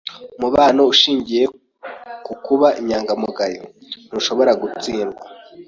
Umubano ushingiye ku kuba inyangamugayo ntushobora gutsindwa.